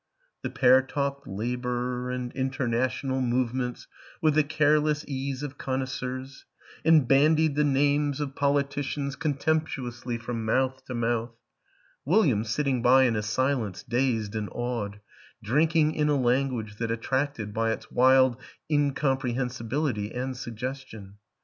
The pair talked Labor and Inter national movements with the careless ease of con noisseurs and bandied the names of politicians contemptuously from mouth to mouth William sitting by in a silence dazed and awed, drinking in a language that attracted by its wild incompre hensibility and suggestion.